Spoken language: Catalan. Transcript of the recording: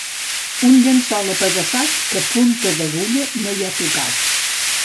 Un llençol apedaçat que punta d'agulla no hi ha tocat.